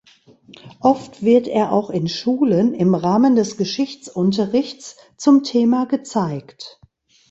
Oft wird er auch in Schulen im Rahmen des Geschichtsunterrichts zum Thema gezeigt.